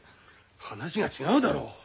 話が違うだろ。